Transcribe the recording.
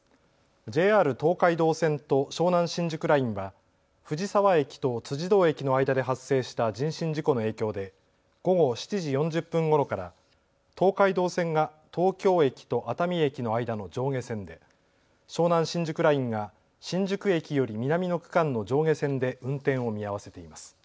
ＪＲ東海道線と湘南新宿ラインは藤沢駅と辻堂駅の間で発生した人身事故の影響で午後７時４０分ごろから、東海道線が東京駅と熱海駅の間の上下線で湘南新宿ラインが新宿駅より南の区間の上下線で運転を見合わせています。